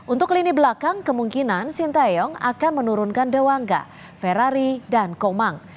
untuk lini belakang kemungkinan sinteyong akan menurunkan dewangga ferrari dan komang